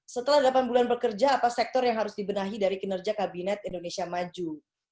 setelah delapan bulan bekerja apa sektor yang harus dibenahi dari kinerja kabinet indonesia maju